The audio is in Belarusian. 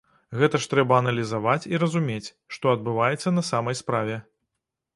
Гэта ж трэба аналізаваць і разумець, што адбываецца на самай справе.